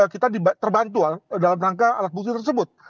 kita terbantu dalam rangka alat bukti tersebut